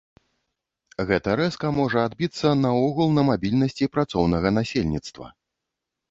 Гэта рэзка можа адбіцца наогул на мабільнасці працоўнага насельніцтва.